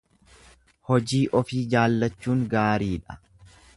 Hojii ofii jaallachuun gaarii dha.